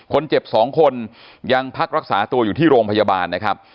คนเจ็บ๒คนยังพักรักษาตัวอยู่ที่โรงพยาบาลนะครับ